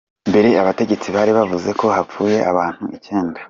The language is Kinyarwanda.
Mbere abategetsi bari bavuze ko hapfuye abantu icyenda.